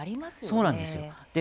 そうなんですよ。